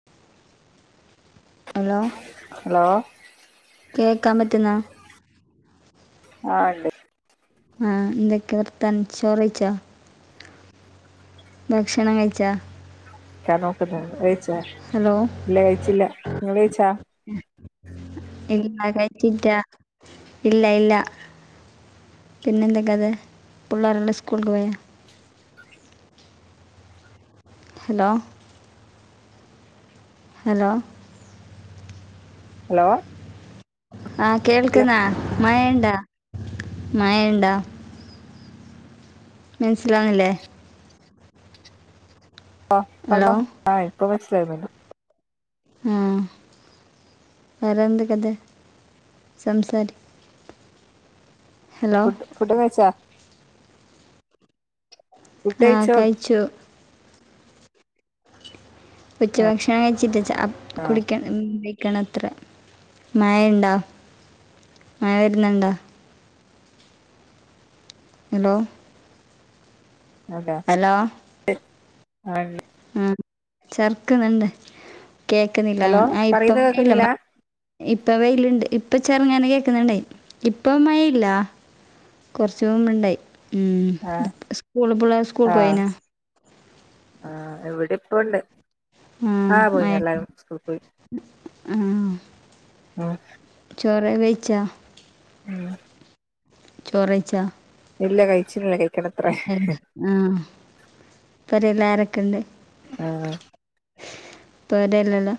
[inaudible] Hello hello കേക്കാൻ പറ്റുന്നൊ ആഹ് ണ്ട് ആഹ് എന്തൊക്കെ വർത്താനം ചോറയിച്ചോ ഭക്ഷണം കഴിച്ചോ കഴിക്കാൻ നോക്കുന്നു ഹലോ ഇല്ല കഴിച്ചില്ല നിങ്ങള് കഴിച്ചാ ഇല്ല കഴിച്ചില്ല ഇല്ല ഇല്ല പിന്നെന്തൊക്കെത് പുള്ളേരെല്ലാം സ്കൂൾക്ക് പോയോ ഹലോ ഹലോ ഹലോ ആഹ് ഇല്ല കേൾക്ക്‌ന്നാ മയേണ്ടാ മയേണ്ടാ മൻസ്സിലാണ്ല്ലേ ആ ഹലോ പർഞ്ഞോ ആ ഇപ്പൊ മൻസ്സ്ലായിന്നെല്ലാം ആഹ് വേറെന്തെക്കത് സംസാരിക് ഫുഡ് ഫുഡ് ഒക്കയ്ച്ചോ ആ കഴിച്ചു ഉച്ച ഭക്ഷണം കഴിച്ചിട്ടച്ചാ അപ് ആ കുടിക്കൺ മ് മെയ് ക്കണത്രേ മയേണ്ടോ മയ വര് ന്ന് ണ്ടോ ഹെലോ അതെ ഹലോ ആ ല്ല് [unintelligible] ആ ചെർക്ക്ന്ന്ണ്ട് കേക്ക്ന്നില്ല ഹലോ അങ്ങൻ ആ ഇപ്പം പറയുന്നത് ല്ല കേൾക്കുന്നില്ല മാ ഇപ്പ വെയില്ണ്ട് ഇപ്പ ചെർങ്ങനെ കേക്ക്ന്ന്ണ്ടെ ഇപ്പ മയേയില്ല കുറച്ച് മുമ്പ് ണ്ടായി ഉം ആ സ്കൂൾ പുള്ളെ ആ സ്കൂൾക്കോയീനാ ആ ഇവിടെപ്പണ്ട് ആഹ് പോയി എല്ലാരും സ്കൂൾക്കോയി ആഹ് ആഹ് ചോറേ കയ്ച്ചാ ഉം ചോറെയ്ച്ചോ ഇല്ല കഴിച്ല്ല കഴിക്കണം എന്ത് ആ പെരേലാ രൊക്കെണ്ട് ആഹ് പെരേല്ലല്ലോ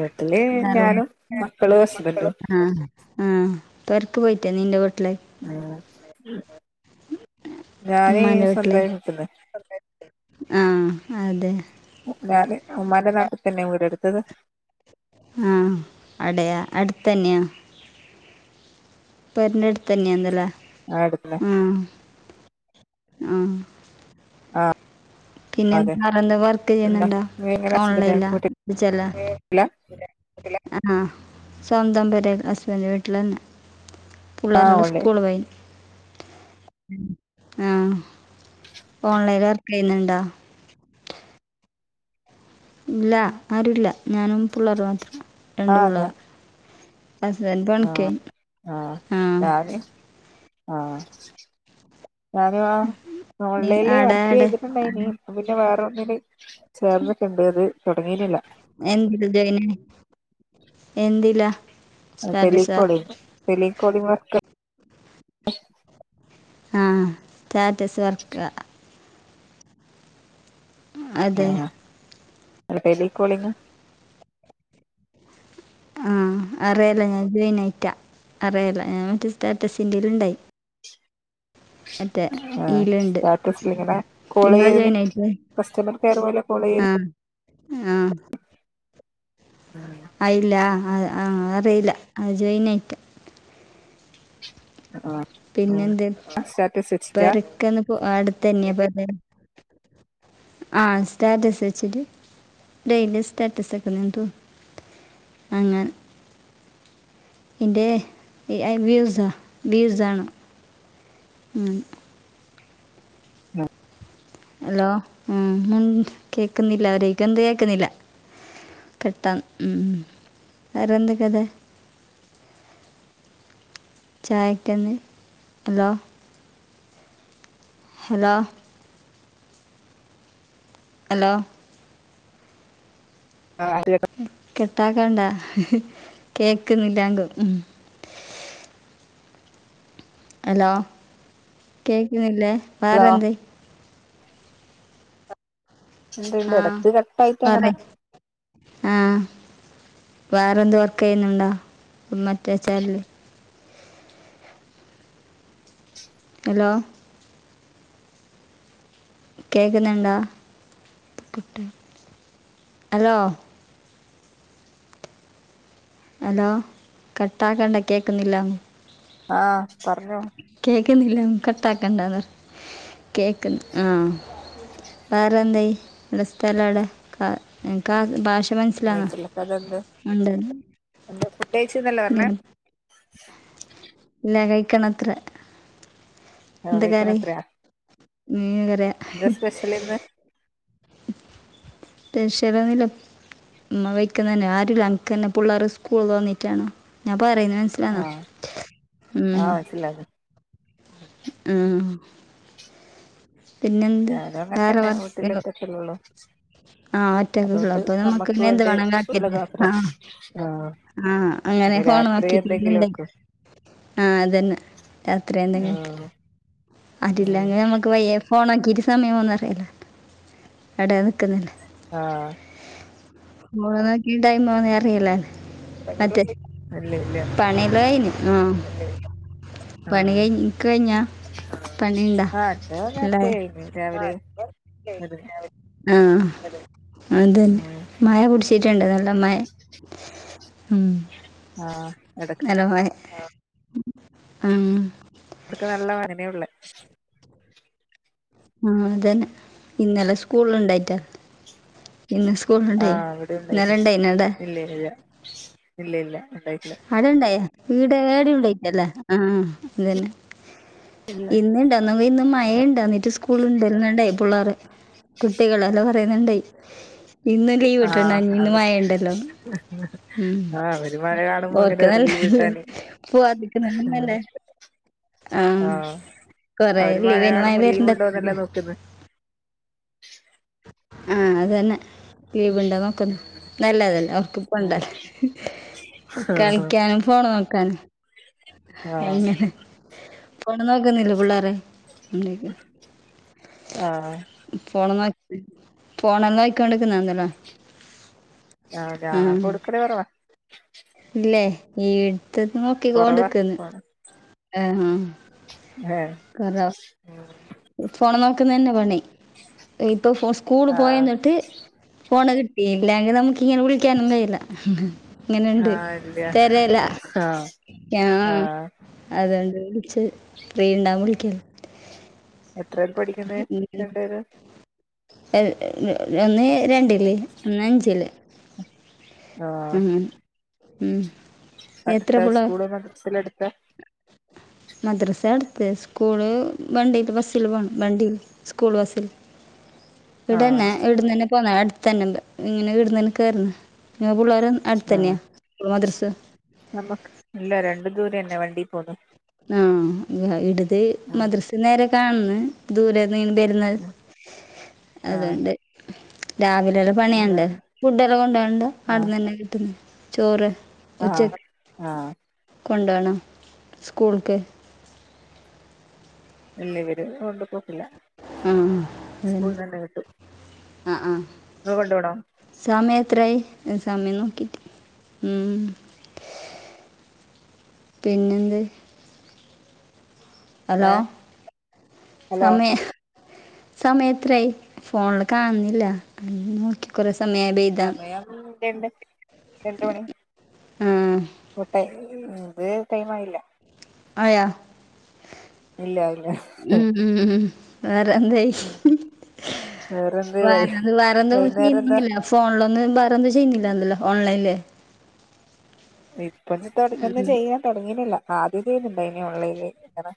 വീട്ടില് ആറും ഞാനും മക്കളും ഹസ്ബൻഡും [unintelligible] ആ ആഹ് പെര്ക്ക് പോയിറ്റ നിന്റെ വീട്ടില് ആഹ് ഉമ്മാന്റെ സ്വന്തമായി വീട്ടിലേക്ക് നിൽക്കുന്നത് ആഹ് അതെ ഞാന് ഉമ്മാന്റെ നാട്ടി തന്നെയാ വീടെടുത്തത് ആഹ് അടയ അടുത്തെന്നെയാ പെര്ന്റട്തെന്യേ ന്ന് ലെ ആ എട്തനെ ആഹ് ആ പിന്നെ അതെ എന്താറെന്താ വർക്ക് പിന്നെ ചെയ്ന്ന്ണ്ടാ നിങ്ങളെ ഹസ്ബൻഡ് ഓൺലൈൻ ലാ വീട്ടിലില്ല ച്ചല്ല ആഹ് സ്വന്തം പെരെ ഹസ്ബൻഡിന്റെ വീട്ടിലന്നെ ആ പുള്ളേറെല്ല ഉള്ളി സ്കൂള് പോയി ആഹ് ഓൺലൈൻൽ വർക്കെയ്ന്ന്ണ്ട ഇല്ല ആരുല്ല ഞാനും പുള്ളേർ മാത്രം ആ രണ്ട് പുള്ളേർ. ഹസ്ബൻഡ് പണിക്കോയി. ആഹ് ഞാന് ആഹ് ഞാനുവാ നീ ഓൺലൈലീ ആടെ വർക്ക് ആടെ ചെയ്തിട്ടുണ്ടായിനി ആടെ പിന്നെ വേറെ ഒന്നില് ചേർന്ന്ട്ട്ണ്ട് അത് തൊട്ങ്ങീട്ടില്ല. എന്തിചെയ്യണേ എന്തില ആഹ് ടെലികോളിങ് ടെലികോളിങ്‌ വർക്ക ആഹ് സ്റ്റാറ്റസ് വർക്ക അതെ ആഹ് ടെലികോളിങ് ആഹ് അറെല ഞാൻ ജോയിനയിറ്റാ അറെലാ ഞാൻ മറ്റേ സ്റ്റാറ്റസിന്റെല്ണ്ടായി. ആഹ് ഈലുണ്ട് സ്റ്റാറ്റസ് ലിങ്ങനെ നിങ്ങൾ കോളെയ്യല് ജോയിൻ ആയിട്ട് കസ്റ്റമർ കെയർ പോലെ കോളയ്യല് ആഹ് ആഹ് [unintelligible] ആയില്ല അ ആ അറിയില്ല അത് ജോയിൻ ആയിട്ട് ആഹ് പിന്നെന്ത് പെരക്കന്ന് പ അടുത്തന്നെയ പെര ആഹ് സ്റ്റാറ്റസ് വെച്ചിട്ട് ഡയിലി സ്റ്റാറ്റസ് വെക്കുന്നയാന്ന് തോന്ന അങ്ങെ എൻ്റെ എ വ്യൂസാ വ്യൂസാണ് ഉം അഹ് ലോ ഉം കേക്കുന്നില്ല [unintelligible] കേക്കുന്നില്ല കെട്ടാം ഉം വേറെന്ത്കതെ ചായക്കെന്ത് [unintelligible] ഹലോ ഹലോ [unintelligible] കെട്ടാക്കണ്ടാ കേക്കുന്നില്ലാങ്കും ഉം ഹലോ കേക്കുന്നില്ലേ വേറെന്ത് ഇണ്ട് ഇണ്ട് ഇടക്ക് കട്ടായിട്ടങ്ങനെ ആഹ് വേറെന്ത് വർക്ക് ചെയ്യുന്നുണ്ടാ മറ്റേ ചാലില് ഹലോ കേക്ക്ന്ന്ണ്ടാ ഹലോ ഹലോ കട്ടാക്കണ്ട കേക്കുന്നില്ല ആഹ് പറഞ്ഞോ കേക്കുന്നില്ലം കട്ടാക്കണ്ടാന്ന് കേക്ക് ആഹ് വേറെന്തയി നിന്റെ സ്ഥലെവിടെ ആഹ് എന്ക്കാ ഭാഷ മനസ്സിലാ ഒണ്ട് ന്താ ഫുഡ് കഴിച്ന്നല്ലേ പറഞ്ഞെ ഇല്ല കയ്ക്കണത്രെ ആ എന്ത കറി? മീൻകറിയ ന്താ സ്പെഷ്യലിന്ന് ശ്യലൊന്നുല്ല ഉ വെക്കുന്ന തന്നെ ആരും നനക്ക്ന്നെ പുള്ളേർ സ്കൂള തന്നിട്ടാണ് ഞാൻ പറയുന്ന ഉം അഹ് ല മ്മ് പിന്നെന്ത് വേറെ വർത്താനം ചല്ലള ആഹ് ഒറ്റക്കള്ള അപ്പൊ നമ്മുക്ക് ഇനെ എന്ത് വേണ്ടി വേണ ഉള്ളത് ആക്കില്ലെ മാത്രം ആഹ് ആഹ് ആഹ് അങ്ങനെ ഇനി ഫോണ് രാത്രി നോക്കിട്ട എന്തെങ്കിലും ഇണ്ട വെക്കും ആഹ് അതന്നെ രാത്രി എന്തെങ്കിലക്ക ആഹ് ഉം അരില്ലങ്ങനെ നമ്മക്ക് പയ്യ ഫോണ് ആക്കി ഇരി സമയമോന്ന അറിയില്ല എവിടയാ നിൽക്കുന്നില്ലേ ആഹ് മഓണക്കി ടൈറ്റ നോക്കി ടൈമന്ന അറിയില്ല മറ്റേ അല്ല ഇല്ല പണി ഒക്ക കഴിഞ്ഞു പണി ഒക്ക കഴിഞ്ഞ ആച്ച നേത്തായി രാവിലെ അത് ആഹ് അതന്നെ ഉം മായ കുടിച്ച ട്ടുണ്ട് നല്ല മഴ ഉം ആഹ് എതൊക്കെ അല്ലോ ഉം അവടുക്ക് നല്ല വനനേ ഉള്ള ആഹ് അതന്നെ ഇന്നലെ സ്കൂൾ ഉണ്ടായി ഇന്ന് സ്കൂൾ ആഹ് അവിടെ ഉണ്ടായില്ല ഇല്ല ഇല്ല ഇല്ല ഇല്ല ഉണ്ടായിട്ടില്ല അവിടെ ഉണ്ടായോ ഇവിടെ ഉണ്ടായിട്ടില്ല ആഹ് അതന്നെ ഇല്ല ഇന്ന് മഴ ഉണ്ട് എന്നിട്ട് സ്കൂള് ഉണ്ടാരുന്നു എന്ന് കുട്ടികളല്ലാം പറയുന്നുണ്ടായി ഇന്നും ലീവ് ആഹ് ആണ് അവര് മഴ ഉണ്ട് ആഹ് അവര് മഴ കാണുമ്പോ അങ്ങനെ ഓർക്ക പറയും ലീവ് നല്ലല്ലേ കിട്ടാന് ഉം പവാദിക്കുന്നന്നല്ലേ [unintelligible] ആഹ് കുറെ അവര് മഴ ലീവ് കാണുമ്പോ വരുന്നു ലീവ് ണ്ട് ഉണ്ടോന്നല്ല നോക്കുന്നെ ആഹ് അത് തന്നെ ലീവ് ഉണ്ടോ എന്ന് നോക്ക നല്ലതല്ലേ അവർക്ക് ഉം ആഹ് കളിക്കാന്‍ ഫോണ് നോക്കാണ് ആഹ് അവിടെ ഫോണ് നോക്കുന്നില്ലേ കുട്ടികൾ ആഹ് ഉണ്ട് ഫോൺ നോക്കിക്കോണ്ടിരിക്കുന്നു അതെ ആഹ് കൊടുക്കുന്നത് കുറവാ ഇല്ലേ അടുത്തന്ന് നോക്കി കോണ്ടിരിക്കുന്നു ആഹ് ആഹ് ആഹ് ആഹ് ഹലൊ ആഹ് ഫോണ് നോക്കുന്നത് തന്നെ പണി ഇപ്പൊ സ്കൂള്‍ പോയി ആഹ് വന്നിട്ട് ഫോണ് കിട്ടിയില്ലെങ്കിൽ നമുക്ക് ഇങ്ങനെ വിളിക്കാനും കഴിയില്ല ആഹ് ഇല്ല തരില്ല ആഹ് ആഹ് അതുകൊണ്ട് വിളിച്ചത് ഫ്രീ ഉണ്ടാവുമ്പോൾ വിളിക്ക എത്ര യിലാണ് പഠിക്കുന്നത് രണ്ട് പേരും ഒരാൾ രണ്ടില് ഒരാൾ അഞ്ചില് ആഹ് ഉം എത്ര പിള്ളേ സ്കൂളും മദ്രസ എല്ലാം അടുത്താണോ മദ്രസ അടുത്താണ് സ്കൂള് ബസ്സിൽ പോവും സ്കൂൾ ബസ്സിൽ ആഹ് ഇവിടന്നെ ഇവിടുന്നു തന്നെ പൊന്നെ അടുത്ത് തന്നെ ഉണ്ട് ഇങ്ങനെ ഇവിടുന്നു തന്നെ കേറുന്നു പിള്ളേരും അടുത്ത് തന്നെയാ സ്കൂളും മദ്രസ് നമ്മുക്ക് ഇല്ല രണ്ടു ദൂരെന്നെയാ വണ്ടി പോന്ന് ആഹ് ഇങ്ങനെ ഇവിടുത് ഉം മദ്രസെന്ന് നേരെ കാണുന്നെ ദൂരെന്നിങ്ങനെ ബാര് ന്നെ ഉം ആഹ് അത്കൊണ്ട് രാവിലെല പണിയൊണ്ട് ഫുഡ് എല്ലാം കൊണ്ടൊണ്ട് ആഹ് അവിടുന്ന് തന്നെ കിട്ടുന്നെ ചോറ് ആഹ് ഉച്ചക്ക് ആഹ് കൊണ്ട് പോണ് സ്കൂളുക്ക് ഇല്ല ഇവര് കൊണ്ട് പോക്കില്ല ഉം ഉം ഉം സ്കൂളിൽ നിന്ന് കിട്ടും ആഹ് ആഹ് ഇങ്ങള് കൊണ്ട് പോണോ സമയം എത്ര ആയി അ സമയം നോക്കിട്ട് ഉം പിന്നെ എന്തേ ഹലോ ഏഹ് ഹലോ സമയ സമയം എത്രായി ഫോണില് കാണുന്നില്ല നോക്കി കുറെ സമയം ആയി ബേ സമയം രണ്ട് രണ്ട് ആ മണിഎന്നിട്ട് ഉം ഇത് ടൈം ആയില്ല ആയാ ഇല്ല ഇല്ല ഉം ഉം വേറെ എന്തെ വേറെന്ത് വൈ വേറെന്ത് വേറൊന്നും വൈന്നേരം എന്താ ചിയുന്നില്ലല്ലോ ഫോണിലൊന്ന് വേറെന്തും ചെയ്യുന്നില്ലന്നല്ലോ ഓൺലൈനില് ഇപ്പൊന്ന് തൊട ഒന്ന് ചെയ്യാൻ തുടങ്ങീട്ടില്ല ആദ്യം ചെയ്യുന്നുണ്ടായ്ന് ഓൺലൈനിൽ ങ്ങനെ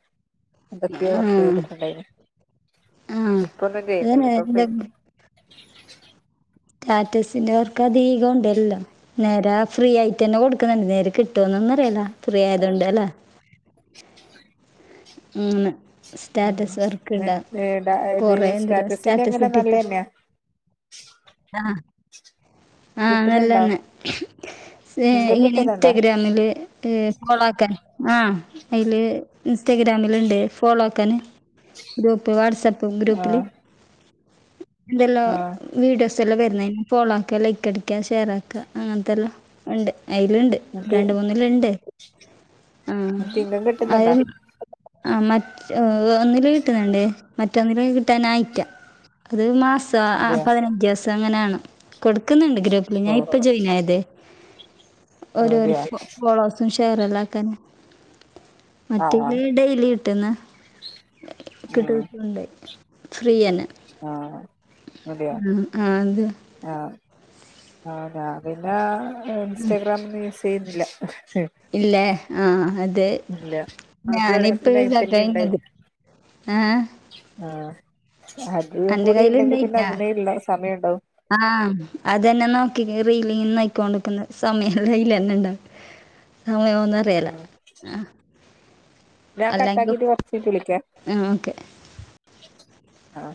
എന്തൊക്കെയോ ആ വർക്ക് ചെയ്തിട്ടുണ്ടായിനു ആ ഇപ്പൊന്നും ചെയ്യുന്ന്ല്ല ഇതന്നെ ഇപ്പൊ പെ എന്തെങ്കിലും റ്റാറ്റസിൻ്റെ വർക്കധീകം ഉണ്ടല്ലോ നേരാ ഫ്രീ ആയിട്ടന്നെ കൊടുക്കുന്ണ്ട് നേരെ കിട്ടോന്നൊന്നും അറിയില്ല ഫ്രീ ആയതൊണ്ട് അല്ലേ ഉം ന്ന് ഉം സ്റ്റാറ്റസ് വർക്ക്ണ്ടാ നെറ്റ് ഇത് കൊറെണ്ടല്ലോ സ്റ്റാറ്റസിന്റെ സ്റ്റാറ്റസ് അങ്ങനെ ഇട്ടിട്ട് നല്ലതന്നെയാ ആഹ് ആഹ് കിട്ടുന്നുണ്ടോ നല്ലതന്നെ സേ ഇൻകം എങ്ങെനെ കിട്ടുന്നുണ്ടോ ഇൻസ്റ്റഗ്രാമില് കേ കൊളാകാന് ആഹ് അയില് ഇൻസ്റ്റാഗ്രാമില്ണ്ട് ഫോളോ ആക്കാന് ഗ്രൂപ്പ് വാട്സപ്പ് ഗ്രൂപ്പില് ആഹ് ഇന്തല്ലോ ആഹ് വീഡിയോസ് എല്ലാം വരുന്നയിനെ ഫോളോ ആക്ക ലൈക്ക് അടിക്ക ഷെയർ ആക്ക അങ്ങനത്തെല്ലാണ്ട് അയില്ണ്ട് എന്നിട്ട് രണ്ട് മൂന്നില്ണ്ട് ട്ട് ഇങ്കം കിട്ടുന്നുണ്ടാ ആഹ് മറ്റ് ഓ ഒന്നില് കിട്ട്ന്ണ്ട് മറ്റൊന്നില് കിട്ടാനായിറ്റ അത് മാസ് ത്താ ആഹ് ഇല്ലയോ പതിനഞ്ച്സം അങ്ങനെയാണ് കൊടുക്കുന്നുണ്ട് ഗ്രൂപ്പില് ഓ ഞാൻ ഇപ്പൊ ജോയിൻ ആയതേ ഓ ഓരോരു അതെയോ ഫോ ഫോളോസും ഷെയറല്ലാക്കാന് ആ ആ പിന്നെ ഈ ഡെയിലി കിട്ടുന്ന ഉം കിട്ടാതൊണ്ട് ഫ്രീയെന്നെ ആ ആഹ് ആഹ് അത് ആഹ് ആഹ് ഞാ പിന്നേ ഇൻസ്റ്റഗ്രാമില് സ് ചെയ്യുന്നില്ല ഇല്ലേ ആഹ് അദേ ഇല്ല അത് വേണേ ഞാനിപ്പോ പിന്നെ അതിൽ [unintelligible] ആഹ് ആഹ് അതുവും അന്റെ കൂടിണ്ടെങ്കി പിന്നെ കയ്യില്ണ്ടായിറ്റാ അതിനേ ഇള്ള സമയഉണ്ടാവൂ ആഹ് അതന്നെ നോക്കി കേ റീലി നോയ്ക്കോണ്ടിക്കുന്ന സമയീലന്നെണ്ടാവില്ല ആയൊന്ന് അറ ഉം ഞാ അല്ലെങ്കി കട്ടാക്കീട്ട് കൊറച്ച് കഴിഞ്ഞിട്ട് വിളിക്കാ ആഹ് ഓക്കെ ആഹ്